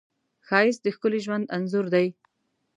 ښایست د ښکلي ژوند انځور دی